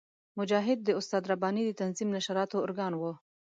مجاهد د استاد رباني د تنظیم نشراتي ارګان وو.